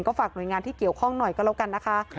ฝากหน่วยงานที่เกี่ยวข้องหน่อยก็แล้วกันนะคะ